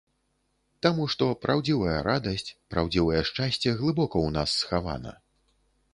Таму што праўдзівая радасць, праўдзівае шчасце глыбока ў нас схавана.